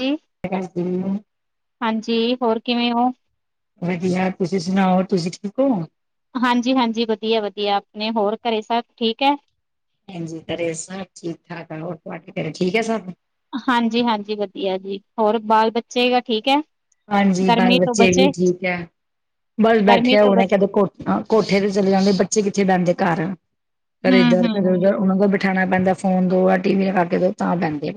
ਜੀ [inaudible] ਠੀਕ ਹੈ ਹਾਂਜੀ ਹੋਰ ਕਿਵੇਂ ਹੋ? ਵਧੀਆ! ਤੁਸੀਂ ਸੁਣਾਓ ਤੁਸੀਂ ਠੀਕ ਹੋ? ਹਾਂਜੀ ਹਾਂਜੀ ਵਧੀਆ ਵਧੀਆ ਆਪਣੇ ਹੋਰ ਘਰੇ ਸਭ ਠੀਕ ਹੈ? ਹਾਂਜੀ ਤੇ ਸਬ ਠੀਕ ਠਾਕ ਆ ਠੀਕ ਹੈ ਸਭ। ਹਾਂਜੀ ਹਾਂਜੀ ਵਧੀਆ ਜੀ! ਹੋਰ ਬਾਲ ਬੱਚੇਗ ਠੀਕ ਹੈ? ਹਾਂਜੀ ਬਾਲ ਗਰਮੀ ਤੋਂ ਬੱਚੇ ਵੀ ਬਚੇ ਠੀਕ ਹੈ ਬਸ ਗਰਮੀ ਬੈਠੇ ਤੋਂ ਹੋਣੇ ਬਚ ਕਹਦੇ ਕੋ ਹਾਂ ਕੋਠੇ ਤੇ ਚਲੇ ਜਾਂਦੇ ਬੱਚੇ ਕਿੱਥੇ ਬਹਿੰਦੇ ਘਰ ਕਦੇ ਇਧਰ ਕਦੇ ਹੂੰ-ਹੂੰ ਉਧਰ। ਉਹਨਾਂ ਦਾ ਬਿਠਾਉਣਾ ਪੈਂਦਾ ਫੋਨ ਦੋ ਟੀ ਵੀ ਲਗਾਕੇ ਦੋ ਤਾਂ ਬਹਿੰਦੇ ੇ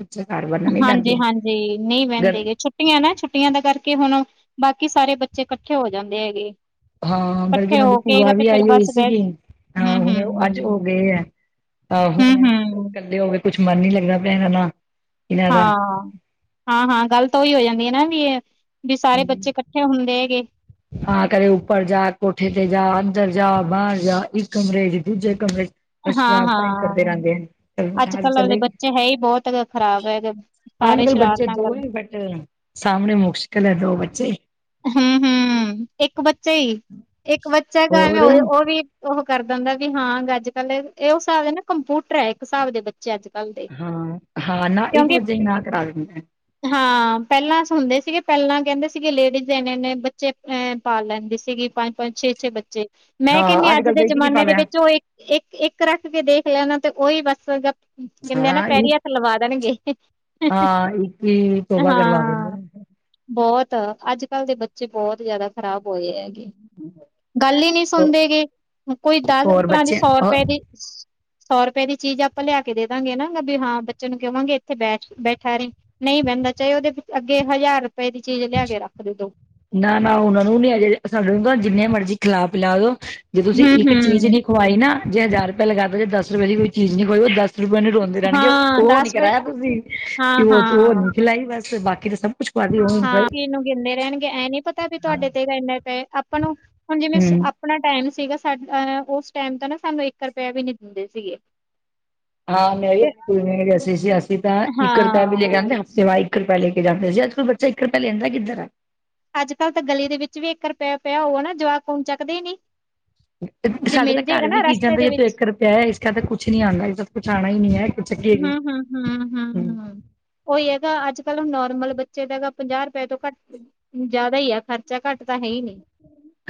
ਹਾਂਜੀ ਹਾਂਜੀ ਨਹੀਂ ਗਰ ਬਹਿੰਦੇ ਗੇ ਛੁ ਛੁੱਟੀਆਂ ਨਾ ਛੁੱਟੀਆਂ ਦਾ ਕਰਕੇ ਹੁਣ ਬਾਕੀ ਸਾਰੇ ਬੱਚੇ ਇਕੱਠੇ ਹੋ ਜਾਂਦੇ ਹੈਗੇ। ਹਾਂ ਬਲਕਿ ਇਕੱਠੇ ਉਹਨਾਂ ਹੋ ਦੀ ਭੂਆ ਕੇਗਾ ਤੇ ਵੀ ਫੇਰ ਆਈ ਹੋਈ ਬਸ ਬੈ ਸੀਗੀ ਹਾਂ ਹੁਣ ਹੂੰ-ਹੂੰ, ਅੱਜ ਹੋ ਗਏ ਆ। ਆਹੋ ਹੁਣ ਹੂੰ-ਹੂੰ ਇਕੱਲੇ ਹੋਵੇ ਕੁਛ ਮਨ ਨੀ ਲੱਗਦਾ ਪਿਆ ਇਹਨਾਂ ਦਾ। ਇਹਨਾਂ ਹਾਂ ਹਾਂ ਹਾਂ ਗੱਲ ਤਾਂ ਉਹੀ ਹੋ ਜਾਂਦੀ ਹੈ ਨਾ ਵੀ ਵੀ ਸਾਰੇ ਬੱਚੇ ਇਕੱਠੇ ਹੁੰਦੇ ਹੈਗੇ। ਹਾਂ ਕਦੇ ਉੱਪਰ ਜਾ ਕੋਠੇ ਤੇ ਜਾ, ਅੰਦਰ ਜਾ ਬਾਹਰ ਜਾ, ਇੱਕ ਕਮਰੇ ਚ ਦੂਜੇ ਕਮਰੇ ਚ। ਅ ਸ਼ਰਾਰਤਾਂ ਕਰਦੇ ਹਾਂ-ਹਾਂ ਰਹਿੰਦੇ ਆ ਅੱਜ ਕੱਲ੍ਹ ਵਾਲੇ ਚਲੇ ਗਏ। ਬੱਚੇ ਹੈ ਹੀ ਬਹੁਤ ਖ਼ਰਾਬ ਹੈਗੇ। ਅਜ ਸਾਰੇ ਕੱਲ੍ਹ ਬੱਚੇ ਸ਼ਰਾਰਤਾਂ ਦੋ ਕਰਨ ਹੀ ਬੇਟਰ ਆ ਸਾਂਭਣੇ ਮੁਸ਼ਕਿਲ ਹੈ ਦੋ ਬੱਚੇ। ਹਮ ਹਮ ਇੱਕ ਬੱਚਾ ਹੀ ਇੱਕ ਬੱਚਾ ਘਰ ਹੋਰ ਉਹ ਉਹ ਵੀ ਉਹ ਕਰਦਾ ਹੁੰਦਾ ਵੀ ਹਾਂ ਅੱਜ ਕੱਲ ਇਹ ਹਿਸਾਬ ਦੇ ਨਾ ਕੰਪਿਊਟਰ ਹੈ ਇੱਕ ਹਿਸਾਬ ਦੇ ਬੱਚੇ। ਅੱਜ ਕੱਲ੍ਹ ਦੇ। ਹਾਂ ਹਾਂ ਨਾ ਇੱਕ ਕਿਉਂਕਿ ਵਜੇ ਨਾ ਕਰਾ ਦਿੰਦਾ। ਹਾਂ ਪਹਿਲਾਂ ਅ ਹੁੰਦੇ ਸੀਗੇ ਪਹਿਲਾਂ ਕਹਿੰਦੇ ਸੀਗੇ ਲੇਡੀਜ਼। ਦੇਣੇ ਨੇ ਬੱਚੇ ਪਾਲ ਲੈਂਦੀ ਸੀਗੀ ਪੰਜ ਪੰਜ ਛੇ ਛੇ ਬੱਚੇ। ਮੈਂ ਕਹਿੰਨੀ ਹਾਂ ਆ ਅੱਜ ਕੱਲ ਦੇ ਤਾਂ ਇੱਕ ਨੀ ਜਮਾਨੇ ਦੇ ਪਾਲਿਆ ਵਿੱਚ ਉਹ ਇੱਕ। ਇੱਕ ਇੱਕ ਰੱਖ ਕੇ ਦੇਖ ਲੈਣਾ ਤੇ ਉਹੀ ਬਸ ਕਹਿੰਦੇ ਆ ਨਾ ਹਾਂ ਪੈਰੀ ਹੱਥ ਲਵਾ ਦੇਣਗੇ। ਹਾਂ ਇੱਕ ਹੀ ਤੋਬਾਂ ਕਰਵਾ ਹਾਂ ਦਿੰਦੇ। ਬਹੁਤ ਅੱਜ ਕੱਲ੍ਹ ਦੇ ਬੱਚੇ ਬਹੁਤ ਜਿਆਦਾ ਖ਼ਰਾਬ ਹੋਏ ਹੈ। ਗੱਲ ਹੀ ਨਹੀਂ ਸੁਣਦੇ ਗੇ ਕੋਈ ਦਸ ਹੋਰ ਭਲਾ ਦੀ ਬੱਚੇ ਸੌ ਰੁਪਏ ਦੀ। ਸੌ ਰੁਪਏ ਦੀ ਚੀਜ਼ ਆਪਾਂ ਲਿਆ ਕੇ ਦੇ ਦਾਂਗੇ ਹਨ ਨਾ ਵੀ ਹਾਂ ਬੱਚੇ ਨੂੰ ਕਵਾਂਗੇ ਇੱਥੇ ਬੈਠ ਬੈਠਾ ਰਹੀ। ਨਹੀਂ ਬਹਿੰਦਾ ਚਾਹੇ ਉਹਦੇ ਅੱਗੇ ਹਜ਼ਾਰ ਰੁਪਏ ਦੀ ਚੀਜ਼ ਲਿਆ ਕੇ ਰੱਖ ਦੇਦੋ। ਨਾ ਨਾ ਉਹਨਾ ਨੂੰ ਨੀ ਅਜੇ ਸਾਾਨੂੰ ਤਾਂ ਜਿੰਨੇ ਮਰਜ਼ੀ ਖਿਲਾ਼ ਪਿਲਾ ਦੋ। ਜੇ ਤੁਸੀਂ ਹੂੰ ਇੱਕ ਚੀਜ਼ ਹੂੰ ਨੀ ਖਵਾਈ ਨਾ ਜੇ ਹਜ਼ਾਰ ਰੁਪਏ ਲਗਾ ਦੋਗੇ। ਦਸ ਰੁਪਏ ਦੀ ਕੋਈ ਚੀਜ਼ ਨੀ ਖਵਾਈ ਉਹ ਦਸ ਰੋਂਂਦੇ ਰਹਿਣਗੇ ਹਾਂ ਉਹ ਨੀ ਦਸ ਵਜੇ ਕਰਵਾਇਆ ਹਾਂ ਤੁਸੀਂ ਉਹ ਉਹ ਹਾਂ। ਨੀ ਖਿਲਾਈ ਬਸ ਬਾਕੀ ਤਾਂ ਸਭ ਕੁਛ ਪੜ ਲਵੋ। ਹਾਂ ਨੂੰ ਗਿਣਦੇ ਰਹਿਣਗੇ ਐ ਨੀ ਪਤਾ ਵੀ ਤੁਹਾਡੇ ਤੇ ਦਿਨ ਇਨੇ ਪਏ ਆਪਾਂ ਨੂੰ ਹੁਣ ਜਿਵੇਂ, ਹੂੰ ਆਪਣਾ ਟਾਈਮ ਸੀਗਾ ਸਾਹ ਉਸ ਟਾਈਮ ਤਾਂ ਨਾ ਸਾਨੂੰ ਇੱਕ ਰੁਪਆ ਵੀ ਨੀ ਦਿੰਦੇ ਸੀਗੇ। ਤੇ ਹਾਂ ਅਸੀ ਅਸੀਂ ਤਾਂ ਇੱਕਤਾ ਹਾਂ [unintelligible] ਇੱਕ ਰੁਪਆ ਲ਼ੇ ਕੇ ਜਾਂਦੇ ਸੀ ਅੱਜਕਲ ਬੱਚੇਇੱਕ ਰੁਪਏ ਲੈਂਦਾ ਕਿੱਧਰ ਆ ਅੱਜ ਕੱਲ੍ਹ ਤਾਂ ਗਲੀ ਦੇ ਵਿੱਚ ਵੀ ਇੱਕ ਰੁਪਇਆ ਪਿਆ ਹੋਊਗਾ ਨਾ ਜਵਾਕ ਚੱਕਦੇ ਹੀ ਨਹੀਂ। ਸਾਡੇ ਤਾਂ ਘਰ ਵੀ ਕੀ ਜਾਂਦੇ ਦੇ ਇਹ ਤੂੰ ਵਿੱਚ ਇੱਕ ਰੁਪਇਆ ਹੈ ਇਸ ਕਰਕੇ ਕੁੱਛ ਨੀ ਆਉਂਦਾ ਇਸ ਕੁਛ ਆਉਣਾ ਹੀ ਨੀ ਹੈ [unintelligible] ਹਮ ਹੂੰ, -ਹਮ ਉਹੀ ਹੈਗਾ ਅੱਜ ਕੱਲ੍ਹ ਹੁਣ ਨੋਰਮਲ ਬੱਚੇ ਦਾ ਹੈਗਾ ਪੰਜਾਹ ਰੁਪਏ ਤੋਂ ਘੱਟ ਜਿਆਦਾ ਹੀ ਆ ਖਰਚਾ ਘੱਟ ਤਾਂ ਹੈ ਹੀ ਨਹੀਂ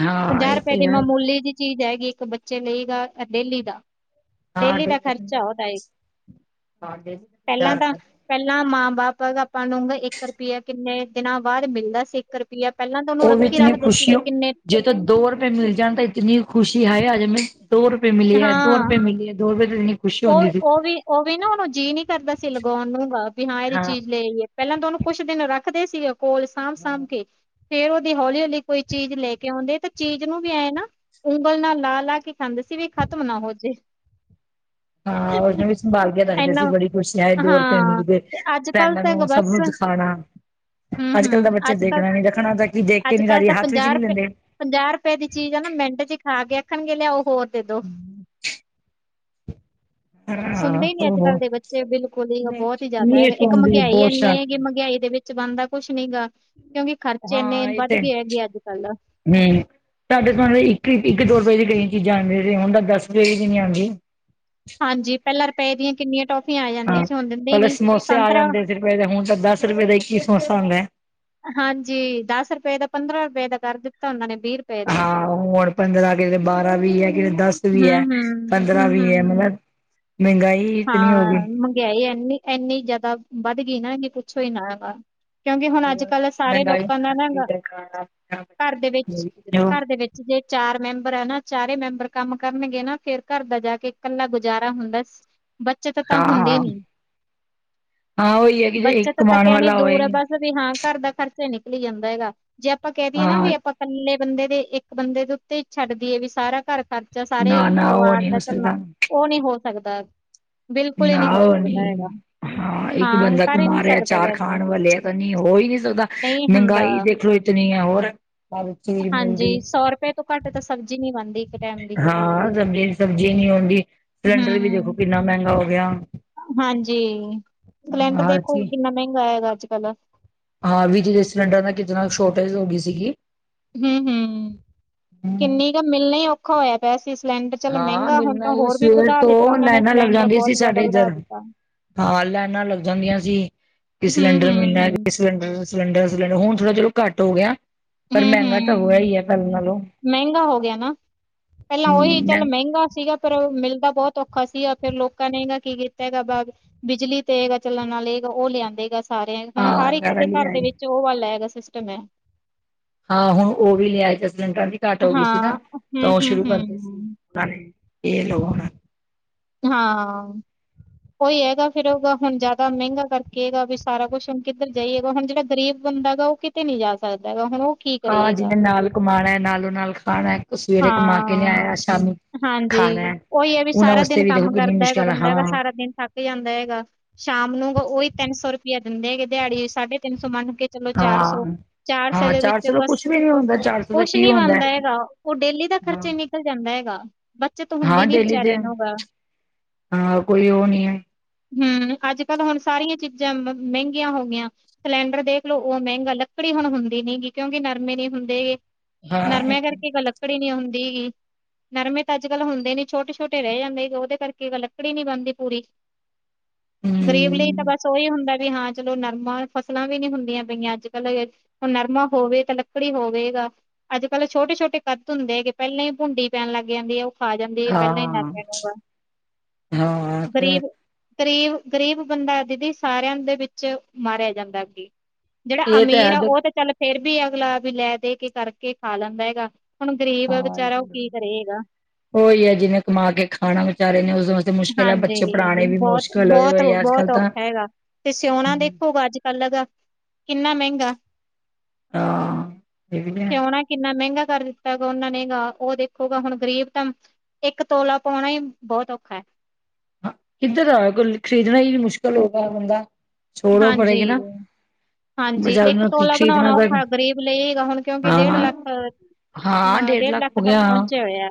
ਹਾਂ ਪੰਜਾਹ ਇਹ ਰੁਪਏ ਦੀ ਤੇ ਹੈ ਮਾਮੂਲੀ ਦੀ ਚੀਜ਼ ਹੈਗੀ ਇੱਕ ਬੱਚੇ ਲਈ ਡੇਲੀ ਦਾ ਡੇਲੀ ਦਾ ਖਰਚਾ ਉਹਦਾ ਹੈ। ਹਾਂ। ਪਹਿਲਾਂ ਤਾਂ ਪਹਿਲਾਂ ਮਾਂ ਬਾਪ ਆਪਾਂ ਨੂੰ ਇੱਕ ਰੁਪਇਆ ਕਿੰਨੇ ਦਿਨਾਂ ਬਾਅਦ ਮਿਲਦਾ ਸੀ। ਏਕ ਰੁਪਆ ਪਹਿਲਾਂ ਤਾਂ ਉਹਨੂੰ ਉਹ ਵੀ ਰੱਖੀ ਇਤਨੀ ਰੱਖਦੇ ਖੁਸ਼ੀ ਸੀਗੇ ਹੋ ਕਿੰਨੇ ਜੇ ਤੇ ਦੋ ਰੁਪਏ ਮਿਲ ਜਾਨ ਤੇ ਇਤਨੀ ਖੁਸ਼ੀ ਹਾਏ ਆਜ ਹਮੇਂ ਦੋ ਰੁਪਏ ਮਿਲੇ ਹੈ, ਦੋ ਰੁਪਏ ਮਿਲੇ ਹੈ। ਦੋ ਰੁਪਏ ਦੀ ਇੰਨੀ ਓ, ਓ ਵੀ, ਓ ਵੀ ਨਾ, ਓਨੂੰ ਜੀਅ ਨੀ ਕਰਦਾ ਸੀ ਲਗਾਉਣ ਨੂੰ ਵੀ ਹਾਂ ਏਦੀ ਚੀਜ਼ ਲੈ ਲਈਏ। ਪਹਿਲਾਂ ਤਾਂ ਓਨੂੰ ਕੁਛ ਦਿਨ ਰੱਖਦੇ ਸੀਗੇ ਕੋਲ ਸਾਂਭ ਸਾਂਭ ਕੇ। ਫੇਰ ਓਦੀ ਹੌਲੀ-ਹੌਲੀ ਕੋਈ ਚੀਜ਼ ਲੈ ਕੇ ਆਉਂਦੇ ਤਾਂ ਚੀਜ਼ ਨੂੰ ਵੀ ਐਂ ਨਾ ਉਂਗਲ ਨਾਲ ਲਾ ਲਾ ਕੇ [unintelligible] ਸੀ ਵੀ ਖਤਮ ਨਾ ਹੋ ਜੇ। ਹਾਂ ਉਸਨੂੰ ਵੀ ਸੰਭਾਲ ਕੇ ਰੱਖਦੇ ਇੰਨਾ ਸੀ। ਬੜੀ ਖੁਸ਼ੀ ਹਾਏ ਦੋ ਰੁਪਏ ਹਾਂ ਮਿਲ ਗੇ, ਤੇ ਅੱਜ ਕੱਲ ਫਰੈਂਡ ਤਾਂ ਨੂੰ, ਗ- ਸਭ ਬਸ ਨੂੰ ਖਾਨਾ, ਹੂੰ ਹੂੰ ਅੱਜ-ਕੱਲ ਦਾ ਬੱਚੇ ਅੱਜ ਕੱਲ ਦੇਖਣਾ ਨੀ, ਰੱਖਣਾ ਤਾਂ ਕੀ ਦੇਖ ਕੇ ਨੀ ਰਾਜੀ ਹੱਥ ਵਿੱਚ ਨੀ ਲੈਂਦੇ। ਪੰਜਾਹ ਰੁਪਏ ਦੀ ਚੀਜ਼ ਆ ਨਾ ਮਿੰਟ ਚ ਖਾ ਕੇ ਆਖਣਗੇ ਲਿਆਓ ਹੋਰ ਦੇ ਦੋ। ਸੁਨਦੇ ਹਾਂ ਈ ਨਈ ਅੱਜ-ਕੱਲ੍ਹ ਉਹ ਦੇ ਬੱਚੇ, ਬਿਲਕੁਲ ਹੀ ਬੋਤ ਹੀ ਜਾਦਾ ਨੀ ਹੈਗਾ ਇੱਕ ਸੁਣਦੇ ਮਹਿੰਗਿਆਈ ਬਹੁਤ ਐੰਨੀ ਹੈਗੀ ਸ਼ਾਂਤੀ ਮਹਿੰਗਿਆਈ ਦੇ ਵਿੱਚ ਕੁਛ ਬਨਦਾ ਕੁਛ ਨੀ ਗਾ ਕਿਉਂਕਿ ਖਰਚੇ ਏਨੇ ਹਾਂ ਇਹ ਵੱਧ ਤੇ ਗੇ ਹੈਗੇ ਅੱਜ-ਕੱਲ। ਹੂੰ, ਸਾਡੇ ਤਾਂ ਹੁਨ ਇੱਕ, ਇੱਕ-ਦੋ ਰੁਪਏ ਦੀ ਕਈ ਚੀਜ਼ਾਂ ਆਂਦੀਆਂ ਸੀ, ਹੁਨ ਤਾਂ ਦਸ ਰੁਪਏ ਦੀ ਵੀ ਨੀ ਆਂਦੀ। ਹਾਂਜੀ, ਪਹਿਲਾਂ ਰੁਪਏ ਦੀਆਂ ਕਿੰਨੀਆਂ ਟੋਫੀਆਂ ਆ ਜਾਂਦੀਆਂ ਹਾਂ ਸੀ ਹੁਨ ਦਿੰਦੇ ਹੀ ਪਹਿਲੇ ਨੀ ਸਮੋਸੇ ਆ ਸਤ ਜਾਂਦੇ ਰੁਪਏ ਦਾ ਹੁਨ ਤਾਂ ਦਸ ਰੁਪਏ ਦਾ ਇੱਕ ਹੀ ਸਮੋਸਾ ਆਂਦਾ ਐ। ਹਾਂਜੀ, ਦਸ ਰੁਪਏ ਦਾ, ਪੰਦਰਾਂ ਰੁਪਏ ਦਾ ਕਰ ਦਿੱਤਾ, ਓਨਾਂ ਨੇ ਵੀਹ ਰੁਪਏ ਦਾ ਹਾਂ ਹੁਨ ਪੰਦਰਾਂ, ਕਿਤੇ ਬਾਰਾਂ, ਵੀਹ ਐ ਕਿਤੇ ਦਸ ਵੀ ਐ, ਹਮ ਹਮ ਪੰਦਰਾਂ ਹਮ ਵੀ ਐ, ਹਮ ਮਤਲਬ ਮਹਿੰਗਾਈ ਇਤਨੀ ਹੋ ਗਈ ਹਾਂ, ਮੰਗਿਆਈ ਐਨੀ, ਐੰਨੀ ਜਿਆਦਾ ਵੱਧ ਗਈ ਨਾ, ਇੰਨੀ ਪੁੱਛੋ ਹੀ ਨਾ ਹੈਗਾ। ਕਿਉਂਕਿ ਹੁਨ ਅੱਜ-ਕੱਲ ਸਾਰੇ ਮਹਿੰਗਾਈ ਲੋਕਾਂ ਦਾ ਨਾ, ਹਾਂ ਘਰ ਦੇ ਵਿੱਚ, ਘਰ ਦੇ ਵਿੱਚ ਜੇ ਚਾਰ ਮੈਂਬਰ ਆ ਨਾ, ਚਾਰੇ ਮੈਂਬਰ ਕੰਮ ਕਰਨਗੇ ਨਾ, ਫੇਰ ਘਰ ਦਾ ਜਾ ਕੇ ਕੱਲਾ ਗੁਜਾਰਾ ਹੁੰਦਾ। ਬੱਚਤ ਤਾਂ ਹੁੰਦੀ ਨੀ, ਹਾਂ ਉਹੀ ਹੈ ਕਿ ਜੇ ਇੱਕ ਬੱਚਤ ਤਾਂ ਕਮਾਉਣ ਕਹਿਣੀ ਵਾਲਾ ਹੋਏ ਦੂਰ ਹੈ ਬਸ ਵੀ ਹਾਂ ਘਰ ਦਾ ਖਰਚਾ ਹੀ ਨਿਕਲੀ ਜਾਂਦਾ ਹੈਗਾ, ਜੇ ਆਪਾਂ ਕਹਿ ਦਈਏ ਨਾ ਵੀ ਹਾਂ ਆਪਾਂ ਕੱਲੇ ਬੰਦੇ ਦੇ, ਇੱਕ ਬੰਦੇ ਦੇ ਉੱਤੇ ਹੀ ਛੱਡ ਦੀਏ ਵੀ ਸਾਰਾ ਘਰ ਖਰਚਾ ਸਾਰੇ ਨਾ ਨਾ ਉਹ ਪਰਿਵਾਰ ਨਹੀਂ ਦਾ ਹੋ ਝੱਲਨਾ ਸਕਦਾ ਉਹ ਨੀ ਹੋ ਸਕਦਾ। ਬਿਲਕੁਲ ਹੀ ਨੀ ਹੋ ਸਕਦਾ ਹੈਗਾ। ਹਾਂ, ਇੱਕ ਬੰਦਾ ਕਰ ਹੀ ਕਮਾ ਨਹੀਂ ਰਿਹਾ, ਸਕਦਾ ਚਾਰ ਹੈਗਾ ਇੰਨਾ ਖਾਣ ਵਾਲੇ ਆ ਤਾਂ ਨੀ ਹੋ ਹੀ ਨੀ ਸਕਦਾ ਨਹੀਂ ਹੁੰਦਾ ਮਹਿੰਗਾਈ ਦੇਖ ਲੋ ਇਤਨੀ ਹੈ ਹੋਰ ਚੀਜ਼ ਹਾਂਜੀ ਮਹਿੰਗੀ। ਸੌ ਰੁਪਏ ਘੱਟ ਤਾਂ ਸਬਜ਼ੀ ਨੀ ਬਨਦੀ। ਹਾਂ ਸਬਜ਼, ਸਬਜ਼ੀ ਨੀ ਆਉਂਦੀ, ਸਿਲੰਡਰ ਵੀ ਹੂੰ ਦੇਖੋ ਕਿੰਨਾ ਮਹਿੰਗਾ ਹੋ ਗਿਆ। ਹਾਂਜੀ, ਸਿਲੰਡਰ ਹਰ ਦੇਖੋ ਚੀਜ਼ ਕਿੰਨਾ ਮਹਿੰਗਾ ਹੈਗਾ ਅੱਜ-ਕੱਲ। ਹਾਂ ਵਿੱਚ ਦੀ ਸਿਲੰਡਰ ਨਾਲ ਕਿਦਨਾ ਸ਼ੋਰਟੇਜ ਹੋਗੀ ਸੀਗੀ। ਹੂੰ, -ਹੂੰ, ਕਿੰਨੀ ਕ ਮਿਲਨਾ ਈ ਔਖਾ ਹੋਇਆ ਪਿਆ ਸੀ ਸਿਲੰਡਰ, ਚੱਲ ਹਾਂ ਮਹਿੰਗਾ ਹੁਨ ਮਿਲਣਾ ਤਾਂ ਹੀ ਹੋਰ ਵੀ ਸਵੇਰ ਵਧਾ ਦਿੱਤਾ ਤੋਂ ਓਨਾਂ ਨੇ ਲਾਈਨਾਂ ਲੱਗ ਸਿਲੰਡਰ ਜਾਂਦੀਆਂ ਸੀ ਬੋਤ ਜਾਦਾ ਸਾਡੇ ਵਧਾ ਇੱਧਰ ਦਿੱਤਾ। ਹਾਂ ਲੈਨਾ ਲੱਗ ਜਾਂਦੀਆਂ ਸੀ ਕਿ ਸਿਲੰਡਰ ਮਿਲਨਾ ਹੂੰ-ਹੂੰ, ਅੱਜ। ਲੰਡਰ ਸਿਲੰਡਰ, ਸਿਲੰਡਰ ਹੁਨ ਥੋੜਾ ਚਲੋ ਘੱਟ ਹੋ ਗਿਆ ਪਰ ਮਹਿੰਗਾ ਤਾਂ ਹੋਆ ਹੂੰ-ਹੂੰ। ਹੀ ਹੈ ਪਹਿਲਾਂ ਨਾਲੋਂ। ਮਹਿੰਗਾ ਹੋ ਗਿਆ ਨਾ, ਪਹਿਲਾਂ ਓਈ ਹਮ ਚੱਲ ਮ ਮਹਿੰਗਾ ਸੀਗਾ ਪਰ ਓ ਮਿਲਦਾ ਬੋਤ ਔਖਾ ਸੀ, ਯਾ ਫੇਰ ਲੋਕਾਂ ਨੇ ਗਾ ਕੀ ਕੀਤਾ ਹੈਗਾ ਬਾ ਬਿਜਲੀ ਤੇ ਹੈਗਾ ਚੱਲਨ ਵਾਲੇ ਓ ਲਿਆਂਦੇਗਾ ਸਾਰੇਆਂ ਹੁਨ ਹਰ ਹਾਂ ਇੱਕ ਵਗੈਰਾ ਦੇ ਘਰ ਦੇ ਲਿਆਏ ਵਿੱਚ [unintelligible] ਸਿਸਟਮ ਐ। ਹਾਂ, ਹੁਨ ਓ ਵੀ ਲਿਆਏ ਜੱਦ ਸਿਲੰਡਰਾਂ ਦੀ ਘਾਟ ਹੋ ਗਈ ਸੀ ਨਾ ਹਾਂ, ਤਾਂ ਉਹ ਹੂੰ-ਹੂੰ, ਸ਼ੁਰੂ ਕਰਦੇ ਸੀ। ਹੂੰ, [unintelligible] ਹਾਂ। ਓਈ ਹੈਗਾ ਫਿਰ ਉਦਾ ਹੁਨ ਜਾਦਾ ਮਹਿੰਗਾ ਕਰਕੇਗਾ ਵੀ ਸਾਰਾ ਕੁਛ ਹੁਨ ਕਿੱਧਰ ਜਾਈਏਗਾ, ਹੁਨ ਜੇੜਾ ਗਰੀਬ ਬੰਦਾ ਤਾ ਓ ਕਿਤੇ ਨੀ ਜਾ ਸਕਦਾ ਵਾ ਹਨਾ। ਹਾਂ ਜਿਨੇ ਨਾਲ ਕਮਾਣਾ ਐ, ਨਾਲੋਂ ਨਾਲ ਖਾਣਾ ਐ, ਸਵੇਰੇ ਕਮਾ ਕੇ ਹਾਂ ਲਿਆਇਆ ਸ਼ਾਮੀ ਹਾਂਜੀ, ਖਾਣਾ ਓਈ ਹੈ ਵੀ ਉਹਨਾਂ ਸਾਰਾ ਵਾਸਤੇ ਦਿਨ ਵੀ ਦੇਖੋ ਕੰਮ ਕਿੰਨੀ ਕਰਦਾ ਹੈਗਾ ਮੁਸ਼ਕਿਲ ਹੈ। ਬੰਦਾ ਹੈਗਾ ਹਾਂ ਸਾਰਾ ਦਿਨ ਥੱਕ ਜਾਂਦਾ ਹੈਗਾ। ਸ਼ਾਮ ਨੂੰ ਓਈ ਤਿੰਨ ਸੌ ਰੁਪਇਆ ਦਿੰਦੇ ਹੈਗੇ, ਦਿਹਾੜੀ ਸਾਢੇ ਤਿੰਨ ਸੌ ਮੰਨ ਕੇ ਚਲੋ ਚਾਰ ਸੌ, ਹਾਂ ਚਾਰ ਸੇ ਹਾਂ ਦੇ ਚਾਰ ਵਿੱਚ ਸੌ ਦਾ ਬਸ ਕੁਛ ਵੀ ਨੀ ਹੁੰਦਾ ਚਾਰ ਸੌ ਦਾ ਕੁਛ ਕੀ ਨੀ ਹੁੰਦਾ ਬਣਦਾ ਹੈਗਾ। ਓ ਡੇਲੀ ਦਾ ਖਰਚਾ ਹਾਂ ਈ ਨਿਕਲ ਜਾਂਦਾ ਹੈਗਾ। ਬੱਚਤ ਹਾਂ ਹੁੰਦੀ ਨੀ ਡੇਲੀ ਦੇ, ਵਿਚਾਰੇ ਨੂੰ ਗਾ ਹਾਂ ਕੋਈ ਉਹ ਨਹੀਂ ਐ। ਹਮ ਅੱਜ-ਕੱਲ ਹੁਣ ਸਾਰੀਆਂ ਚੀਜ਼ਾਂ ਮਹਿੰਗੀਆਂ ਹੋ ਗਈਆਂ। ਸਿਲੰਡਰ ਦੇਖ ਲਓ ਉਹ ਮਹਿੰਗਾ, ਲੱਕੜੀ ਹੁਣ ਹੁੰਦੀ ਨੀ ਗੀ ਕਿਉਂਕਿ ਨਰਮੇ ਨਹੀਂ ਹੁੰਦੇ ਹੇਗੇ। ਹਾਂ ਨਰਮਿਆਂ ਕਰਕੇ ਗਲਤ ਲੱਕੜੀ ਨੀ ਹੁੰਦੀਗੀ, ਨਰਮੇ ਤਾਂ ਅੱਜ ਕਲ ਹੁੰਦੇ ਨੀ ਛੋਟੇ ਛੋਟੇ ਰਹਿ ਜਾਂਦੇ ਉਹ ਦੇ ਕਰਕੇ ਲੱਕੜੀ ਨੀ ਬਣਦੀ ਪੂਰੀ, ਗ਼ਰੀਬ ਲਈ ਤਾਂ ਹਮ ਬਸ ਉਹੀ ਹੁੰਦਾ ਵੀ ਹਾਂ ਚਲੋ ਨਰਮਾ ਫਸਲਾਂ ਵੀ ਨੀ ਹੁੰਦੀਆਂ ਪਈਆਂ, ਅੱਜ-ਕੱਲ ਹੁਣ ਨਰਮਾ ਹੋਵੇ ਤਾਂ ਲੱਕੜੀ ਹੋਵੇਗਾ। ਅੱਜ-ਕੱਲ੍ਹ ਛੋਟੇ ਛੋਟੇ ਕਦ ਹੁੰਦੇ ਹੈਗੇ ਪਹਿਲ ਹੀ ਭੁੰਡੀ ਪੈਣ ਲੱਗ ਜਾਂਦੀ ਐ, ਉਹ ਖਾ ਜਾਂਦੀ, ਪਹਿਲਾਂ ਹੀ ਹਾਂ ਨਰਮੈ ਨੂੰਗਾ। ਹਾਂ ਗਰੀਬ ਗਰੀਬ, ਗਰੀਬ ਬੰਦਾ ਦੀਦੀ ਸਾਰਿਆਂ ਦੇ ਵਿੱਚ ਮਾਰਿਆ ਜਾਂਦਾ ਐ ਅੱਗੇ ਜਿਹੜਾ ਇਹ ਤਾਂ ਅਮੀਰ ਆ, ਹੈ ਉਹ ਤੇ ਚੱਲ ਫੇਰ ਵੀ ਅਗਲਾ ਵੀ ਲੈ ਦੇ ਕੇ ਕਰਕੇ ਖਾ ਲੈਂਦਾ ਹੈਗਾ। ਹੁਣ ਗ਼ਰੀਬ ਆ ਵਿਚਾਰਾ ਉਹ ਕੀ ਹਾਂ ਕਰੇਗਾ?? ਉਹੀ ਐ ਜਿਹਨੇ ਕਮਾ ਕੇ ਖਾਣਾ ਵਿਚਾਰੇ ਨੇ ਉਸਦੋਂ ਹਾਂਜੀ, ਹੋਏ ਆ ਅੱਜ ਬੋਤ-ਬੋਤ-ਬੋਤ ਕੱਲ੍ਹ ਤਾਂ ਔਖਾ ਹੈਗਾ ਤੇ ਸਿਉਣਾ ਹਮ ਦੇਖੋ ਗਾਜ ਪਲਗਾ, ਕਿੰਨਾ ਮਹਿੰਗਾ ਹਾਂ, ਇਹ ਵੀ ਸੋਓਣਾ ਕਿੰਨਾ ਮਹਿੰਗਾ ਕਰ ਦਿੱਤਾ ਗਾ ਉਹਨਾਂ ਨੇ ਗ ਉਹ ਦੇਖੋਗਾ ਹੁਣ ਗ਼ਰੀਬ ਤਾਂ ਇੱਕ ਤੋਲਾ ਪਾਉਣਾ ਬਹੁਤ ਔਖਾ ਐ। ਕਿੱਧਰ ਆ ਕੋ ਖਰੀਦਣਾ ਹੀ ਮੁਸ਼ਕਿਲ ਹੋਗਾ ਬੰਦਾ ਛੋੜੋ ਹਾਂਜੀ ਪੜੇਗਾ ਨਾ ਹਾਂਜੀ, ਬਜ਼ਾਰ ਇੱਕ ਤੋਲਾ ਖਰੀਦਣਾ ਬਣਾਣਾ ਤਾਂ ਔਖਾ ਗਰੀਬ ਲਈ ਹੀਗਾ ਹੁਣ ਕਿਉਂਕਿ ਡੇਢ ਲੱਖ ਹਾਂ ਹਾਂ ਨਾ ਡੇਢ ਲੱਖ ਹੋ ਤੱਕ ਗਿਆ ਹਾਂ ਪਹੁੰਚੇ ਹੋਏ ਆ।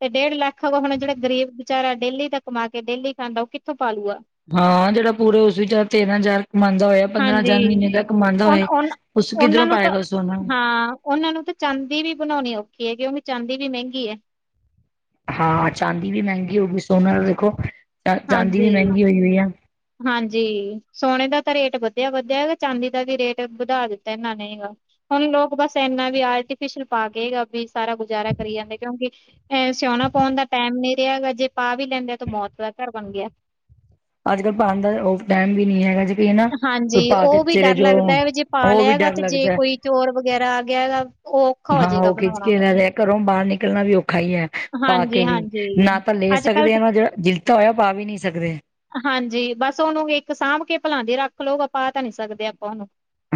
ਤੇ ਡੇਢ ਲੱਖ ਹੁਣ ਜਿਹੜਾ ਗਰੀਬ ਵਿਚਾਰਾ ਡੇਲੀ ਦਾ ਕਮਾ ਕੇ, ਡੇਲੀ ਖਾਂਦਾ। ਉਹ ਕਿੱਥੋਂ ਪਾਲੂਗਾ? ਹਾਂ ਜਿਹੜਾ ਪੂਰੇ ਉਸ ਚਾਰ ਤੇਨ ਚਾਰ ਕਮਾਉਦਾ ਹੋਇਆ। ਪੰਦਰਾਂ ਹਾਂਜੀ ਹਜ਼ਾਰ ਮਹੀਨੇ ਦਾ ਕਮਾਦਾ ਉਨ ਹੋਇਆ, ਉਨ ਉਸ ਉਹਨਾਂ ਕਿੱਧਰੋਂ ਨੂੰ ਤਾਂ ਪਾਏਗਾ ਸੋਣਾ। ਹਾਂ ਉਹਨਾਂ ਨੂੰ ਤਾਂ ਚਾਂਦੀ ਵੀ ਬਣਾਉਣੀ ਔਖੀ ਏ ਕਿਉਂਕਿ ਚਾਂਦੀ ਵੀ ਮਹਿੰਗੀ ਐ। ਹਾਂ, ‌ ਚਾਂਦੀ ਵੀ ਮਹਿੰਗੀ ਹੋ ਗਈ। ਸੋਨਾ ਤਾਂ ਦੇਖੋ ਚ ਚਾਂਦੀ ਵੀ ਹਾਂਜੀ ਮਹਿੰਗੀ ਹੋਈ ਹੋਈ ਆ। ਹਾਂਜੀ, ਸੋਨੇ ਦਾ ਤਾਂ ਰੇਟ ਵਧਿਆ-ਵਧਿਆ ਹੈਗਾ, ਚਾਂਦੀ ਦਾ ਵੀ ਰੇਟ ਵਧਾ ਦਿੱਤਾ ਇਹਨਾਂ ਹੈਗਾ। ਹੁਣ ਲੋਕ ਬਸ ਇੰਨਾ ਵੀ ਆਰਟੀਫਿਸ਼ਲ ਪਾ ਕੇ ਵੀ ਸਾਰਾ ਗੁਜ਼ਾਰਾ ਕਰੀ ਜਾਂਦੇ ਕਿਉਂਕਿ ਐ ਸੋਨਾ ਪਾਉਣ ਦਾ ਟਾਈਮ ਨਹੀਂ ਰਿਹਾ ਹੈਗਾ, ਜੇ ਪਾ ਵੀ ਲੈਂਦੇ ਆ ਤਾਂ ਮੌਤ ਦਾ ਘਰ ਬਣ ਗਿਆ। ਅੱਜ-ਕੱਲ੍ਹ ਪਾਦਾ ਉਹ ਟਾਈਮ ਵੀ ਨੀ ਹੈਗਾ ਜੀ। ਤੇ ਨਾ ਹਾਂਜੀ, ਕੋਈ ਪਾ ਕੇ ਉਹ ਵੀ ਚਲੇ ਡਰ ਲੱਗਦਾ ਜਾਉ, ਹੈ ਵੀ ਜੇ ਪਾ ਉਹ ਲਿਆ ਵੀ ਹੈਗਾ ਡਰ ਤੇ ਜੇ ਲੱਗਦਾ। ਕੋਈ ਚੋਰ ਵਗੈਰਾ ਆ ਗਿਆ ਹੈਗਾ। ਉਹ ਔਖਾ ਹੋ ਹਾਂ ਜਾਏਗਾ ਉਹ ਖਿੱਚ ਬਣਾਉਣਾ। ਕੇ ਲੈ ਜੇ, ਘਰੋਂ ਬਾਹਰ ਨਿਕਲਣਾ ਵੀ ਔਖਾ ਐ। ਪਾ ਕੇ ਵੀ, ਹਾਂਜੀ-ਹਾਂਜੀ, ਨਾ ਤਾਂ ਲੈ ਅੱਜ-ਕੱਲ੍ਹ ਸਕਦੇ ਆ ਤਾਂ ਨਾ ਜਿਹੜਾ ਜਿੱਤਾ ਹੋਇਆ ਉਹ ਪਾ ਵੀ ਨਹੀਂ ਸਕਦੇ। ਹਾਂਜੀ ਬਸ ਉਹਨੂੰ ਇੱਕ ਸਾਂਭ ਕੇ ਭਲਾ ਦੀ ਰੱਖ ਲਓ ਆਪ ਤਾਂ ਨਹੀਂ ਸਕਦੇ ਆਪਾਂ ਉਹਨੂੰ।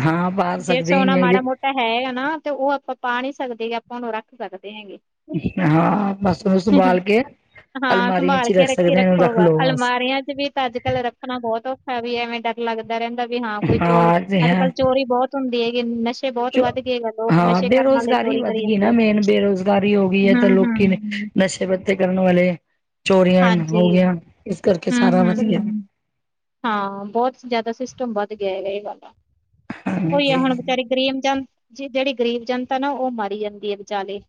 ਹਾਂ ਪਾ ਸਕਦੇ ਹੀ ਨੀ ਹੈਗੇ। ਤਾਂ ਹੈਗਾ ਨਾ ਤੇ ਉਹ ਆਪਾਂ ਪਾ ਨਹੀਂ ਸਕਦੇ, ਆਪਾਂ ਉਹਨੂੰ ਰੱਖ ਸਕਦੇ ਹੈਗੇ। ਹਾਂ ਬਸ ਭਾਲ ਕੇ ਹਾਂ ਅਲਮਾਰੀਆਂ ਚ ਸੰਭਾਲ ਹੀ ਕੇ ਰੱਖ ਰੱਖੀ ਸਕਦੇ ਇਹਨੂੰ ਰੱਖ ਰੱਖੋਗਾ ਲਓ ਬਸ ਅਲਮਾਰੀਆਂ ਚ ਵੀ ਤਾਂ ਅੱਜ-ਕੱਲ ਰੱਖਣਾ ਬਹੁਤ ਔਖਾ ਵੀ ਐਵੇਂ ਡ ਲੱਗਦਾ ਰਹਿੰਦਾ ਵੀ ਹਾਂ ਕੋਈ ਚੋਰੀ, ਹਾਂ ਅੱਜ-ਕੱਲ ਚੋਰੀ ਬੋਤ ਹੁੰਦੀ ਹੈਗੀ ਨਸ਼ੇ ਬਹੁਤ ਚੋ ਵੱਧ ਗਏ ਹੈਗੇ, ਲੋਕ ਹਾਂ ਨਸ਼ੇ ਕਰਨ ਵਾਲੇ ਬੇਰੁਜ਼ਗਾਰੀ ਚੋਰੀ ਵੱਧ ਕਰੀ ਗਈ ਜਾਂਦੇ। ਨਾ ਮੇਨ ਬੇਰੁਜ਼ਗਾਰੀ ਹੋ ਗਈ ਐ ਤਾਂ ਹੂੰ, ਲੋਕੀ ਨੇ ਹੂੰ। ਨਸ਼ਾ ਤੇ ਬੱਚੇ ਕਰਨ ਵਾਲੇ ਚੋਰੀਆਂ ਹਾਂਜੀ। ਹੋ ਗਈ, ਇਸ ਕਰਕੇ ਹੂੰ, ਸਾਰਾ ਵਧੀਆ ਹੂੰ। ਹਾਂ ਬੋਤ ਜ਼ਿਆਦਾ ਸਿਸਟਮ ਵੱਧ ਗਿਆ ਹੈਗਾ ਇਹ ਵਾਲਾ ਉਹੀ ਆ ਹਾਂਜੀ ਹੁਣ ਵਿਚਾਰੇ ਗਰੀਬ ਜਨ ਜਿਹੜੀ ਗਰੀਬ ਜਨਤਾ ਨਾ ਉਹ ਮਰੀ ਜਾਂਦੀ ਹੈ ਵਿਚਾਲੇ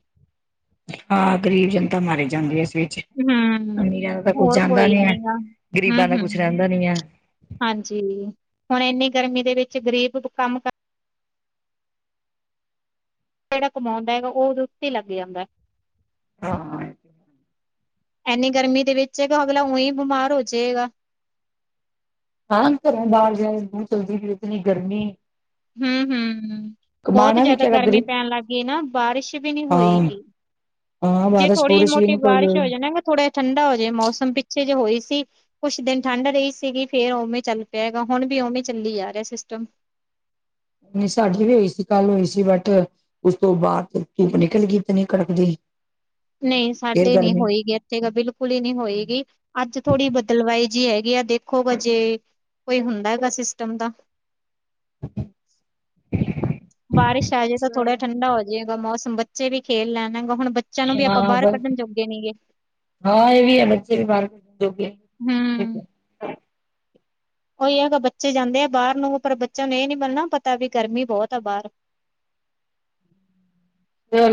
ਹਾਂ ਗ਼ਰੀਬ ਜਨਤਾ ਮਾਰੀ ਜਾਂਦੀ ਐ। ਇਸ ਵਿੱਚ ਹੂੰ। ਅਮੀਰਾਂ ਦਾ ਤਾਂ ਕੁੱਛ ਹੋਰ ਜਾਂਦਾ ਕੋਈ ਨੀ ਏ, ਗਾ। ਹੂੰ, ਗ਼ਰੀਬਾਂ ਦਾ ਕੁੱਛ ਹੂੰ। ਰਹਿੰਦਾ ਨੀ ਏ। ਹਾਂਜੀ, ਹੁਣ ਇੰਨੀ ਗਰਮੀ ਦੇ ਵਿੱਚ ਗ਼ਰੀਬ ਕੰਮ ਜਿਹੜਾ ਕਮਾਉਂਦਾ ਹੈਗਾ, ਉਹਦੇ ਉੱਤੇ ਹੀ ਲੱਗ ਜਾਂਦਾ ਐ। ਹਾ। ਇੰਨੀ ਗਰਮੀ ਦੇ ਵਿੱਚ, ਹੈਗਾ ਅਗਲਾ ਉਹੀ ਬਿਮਾਰ ਹੋ ਜਾਵੇਗਾ। ਹਾਂ, ਘਰ ਬਾਹਰ ਜਾ ਮਹ ਚੱਲਦੀ ਪਈ ਇਤਨੀ ਗਰਮੀ। ਹੂੰ, ਹੂੰ ਹੁੰ ਬਹੁਤ ਕਮਾਣਾ ਵੀ ਜਿਆਦਾ ਕਿਹੜਾ ਗਰਮੀ ਗਰੀਬ ਪੈਣ ਲੱਗ ਗਈ ਨਾ ਬਾਰਿਸ਼ ਵੀ ਨੀ ਹੋਈ ਹਾਂ ਗੀ। ਹਾਂ ਜੇ, ਬਾਰਿਸ਼ ਥੋੜੀ ਬੁਰਿਸ਼ ਵੀ ਮੋਟੀ ਨੀ ਕੋਈ ਬਾਰਿਸ਼ ਹੋਈ ਹੋ ਜਾਏ ਨਾ ਫੇਰ ਥੋੜਾ ਜਿਹਾ ਠੰਡਾ ਹੋ ਜੇ ਮੌਸਮ ਪਿੱਛੇ ਜੇ ਹੋਈ ਸੀ। ਕੁਛ ਦਿਨ ਠੰਢ ਰਹੀ ਸੀਗੀ, ਫੇਰ ਉਵੇਂ ਚੱਲ ਪਿਆ ਹੈਗਾ ਹੁਣ ਵੀ ਉਵੇਂ ਚੱਲੀ ਜਾ ਰਿਹਾ ਸਿਸਟਮ। ਨਹੀਂ, ਸਾਡੀ ਵੀ ਹੋਈ ਸੀ ਕੱਲ ਹੋਈ ਸੀ ਬਟ। ਉਸ ਤੋਂ ਬਾਅਦ, ਧੁੱਪ ਨਿਕਲ ਗਈ ਇਤਨੀ ਕੜਕਦੀ। ਨਹੀਂ, ਫੇਰ ਸਾਡੇ ਨੀ ਗਰਮੀ ਹੋਈ ਇੱਥੇ ਤਾਂ ਬਿਲਕੁਲ ਹੀ ਨੀ ਹੋਏਗੀ, ਅੱਜ ਥੋੜੀ ਬਦਲਵਾਈ ਜੀ ਹੈਗੀ ਆ, ਦੇਖੋ ਜੇ। ਕੋਈ ਹੁੰਦਾ ਹੈਗਾ ਸਿਸਟਮ ਦਾ? ਹਾਂਜੀ। [unintelligible] ਬਾਰਿਸ਼ ਆ ਜਾਏ ਤਾਂ ਥੋੜ੍ਹਾ ਜਿਹਾ ਠੰਢਾ ਹੋ ਜਾਏਗਾ ਮੌਸਮ, ਬੱਚੇ ਵੀ ਖੇਲ ਲੈਣਗੇ ਹੁਣ ਬੱਚਿਆਂ, ਨੂੰ ਵੀ ਆਪਾਂ ਹਾਂ ਬਾਹਰ ਬਸ ਕੱਢਣ ਜੋੋਗੇ ਨੇ ਹੇਗੇ। ਹਾਂ, ਇਹ ਵੀ ਹੈ ਬੱਚੇ ਵੀ ਬਾਹਰ ਜੋਗੇ ਠੀਕ ਹੂੰ ਹੈ। ਉਹੀ ਹੈਗਾ, ਬੱਚੇ ਜਾਂਦੇ ਆ ਬਾਹਰ ਨੂੰ ਪਰ ਬੱਚਿਆਂ ਨੂੰ ਇਹ ਨੀ ਪਤਾ, ਨਾ ਵੀ ਗਰਮੀ ਬਹੁਤ ਆ ਬਾਹਰ। [unintelligible]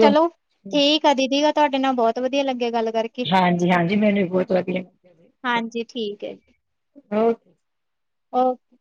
ਚਲੋ, ਠੀਕ ਆ ਦੀਦੀ ਤੁਹਾਡੇ ਨਾਲ ਬਹੁਤ ਵਧੀਆ ਲੱਗਿਆ ਗੱਲ ਕਰਕੇ। ਹਾਂਜੀ, ਹਾਂਜੀ ਮੈਨੂੰ ਵੀ ਬਹੁਤ ਵਧੀਆ ਹਾਂਜੀ ਠੀਕ ਓਕੇ। ਓਕੇ।